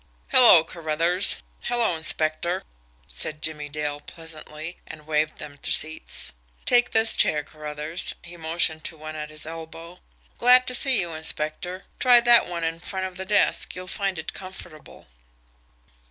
"Hello, Carruthers; hello, inspector," said Jimmie Dale pleasantly, and waved them to seats. "Take this chair, Carruthers." He motioned to one at his elbow. "Glad to see you, inspector try that one in front of the desk, you'll find it comfortable."